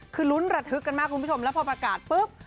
คือลุ้นระทึกกันมากคุณผู้ชมแล้วพอประกาศปุ๊บ